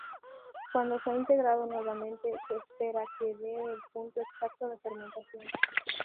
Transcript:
Cuando se ha integrado nuevamente, se espera que de el punto exacto de fermentación.